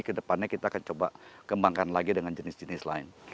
kedepannya kita akan coba kembangkan lagi dengan jenis jenis lain